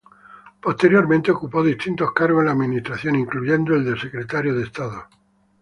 Posteriormente ocupó distintos cargos en la administración, incluyendo el de secretario de estado.